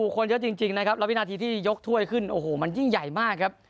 คนเยอะจริงนะครับแล้ววินาทีที่ยกถ้วยขึ้นโอ้โหมันยิ่งใหญ่มากครับ